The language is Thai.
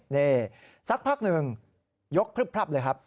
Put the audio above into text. นี่สักพักหนึ่งยกพลึบพลับเลยครับ